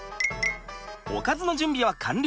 おかずの準備は完了！